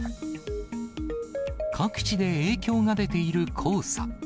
各地で影響が出ている黄砂。